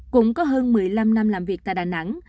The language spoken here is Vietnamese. cũng có hơn một mươi năm năm làm việc tại đà nẵng